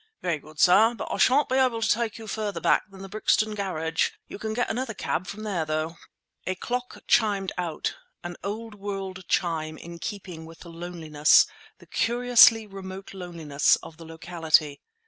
"Very good, sir. But I shan't be able to take you further back than the Brixton Garage. You can get another cab there, though." A clock chimed out—an old world chime in keeping with the loneliness, the curiously remote loneliness, of the locality.